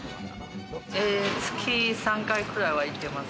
月３回くらいは行ってます。